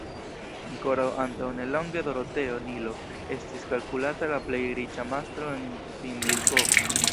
Ankoraŭ antaŭ nelonge Doroteo Nilov estis kalkulata la plej riĉa mastro en Vindirkovo.